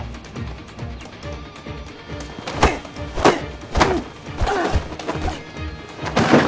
うっうっ。